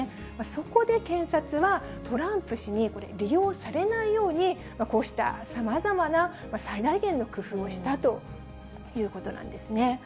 そこで検察は、トランプ氏にこれ、利用されないように、こうしたさまざまな最大限の工夫をしたということなんですね。